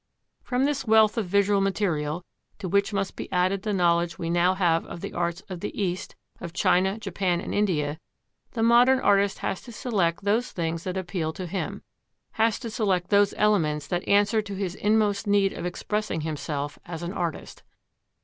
From this wealth of visual material, to which must be added the knowledge we now have of the arts of the East, of China, Japan, and India, the modern artist has to select those things that appeal to him; has to select those elements that answer to his inmost need of expressing himself as an artist.